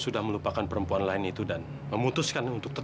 udah seharusnya camila melakukan itu kok